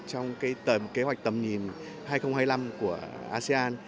trong kế hoạch tầm nhìn hai nghìn hai mươi năm của asean